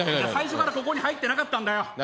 最初からここに入ってなかったんだよ。